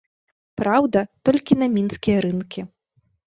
Праўда, толькі на мінскія рынкі.